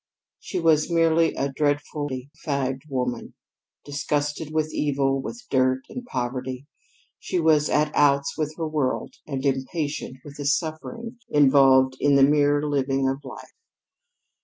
She was merely a dreadfully fagged woman, disgusted with evil, with dirt and poverty. She was at outs with her world and impatient with the suffering involved in the mere living of life.